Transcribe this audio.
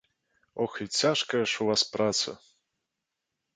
Ох, і цяжкая ж у вас праца!